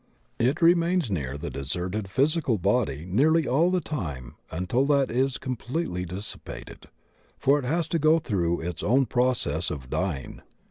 It remains near the deserted physi cal body nearly all the time until that is completely dis sipated, for it has to go through its own process of dying.